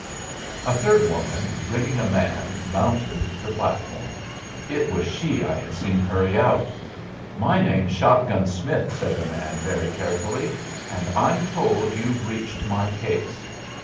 A third woman, bringing a man, mounted the platform. It was she I had seen hurry out. "My name's Shot gun Smith," said the man, very carefully, "and I'm told you've reached my case."